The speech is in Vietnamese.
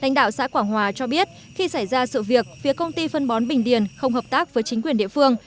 lãnh đạo xã quảng hòa cho biết khi xảy ra sự việc phía công ty phân bón bình điền không hợp tác với chính quyền địa phương